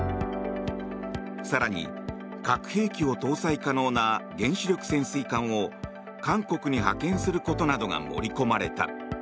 更に、核兵器を搭載可能な原子力潜水艦を韓国に派遣することなどが盛り込まれた。